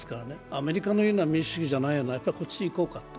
アメリカのようなのは民主主義ではないやっぱりこっちに行こうか。